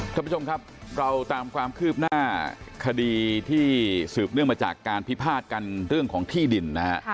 ท่านผู้ชมครับเราตามความคืบหน้าคดีที่สืบเนื่องมาจากการพิพาทกันเรื่องของที่ดินนะฮะ